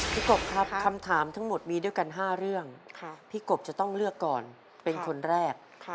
กบครับคำถามทั้งหมดมีด้วยกัน๕เรื่องพี่กบจะต้องเลือกก่อนเป็นคนแรก